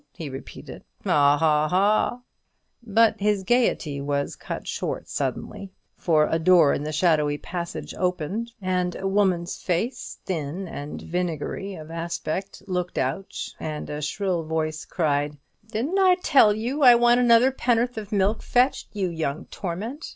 he repeated, "Haw, haw, haw!" But his gaiety was cut suddenly short; for a door in the shadowy passage opened, and a woman's face, thin and vinegary of aspect, looked out, and a shrill voice cried: "Didn't I tell you I wanted another penn'orth of milk fetched, you young torment?